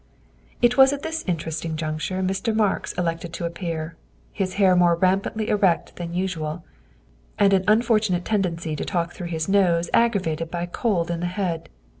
It was at this interesting juncture Mr. Marks elected to appear, his hair more rampantly erect than usual, and an unfortunate tendency to talk through his nose aggravated by a cold in the head.